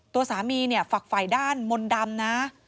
ตัวสามีเนี่ยฝักฝ่ายด้านมนต์ดำนะ